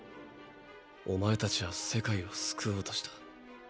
お前たちは世界を救おうとした。